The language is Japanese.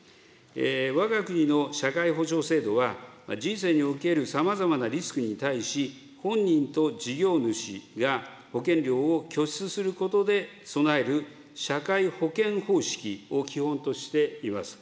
わが国の社会保障制度は、人生におけるさまざまなリスクに対し、本人と事業主が保険料を拠出することで備える社会保険方式を基本としています。